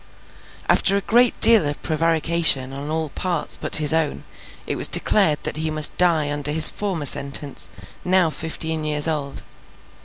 After a great deal of prevarication on all parts but his own, it was declared that he must die under his former sentence, now fifteen years old.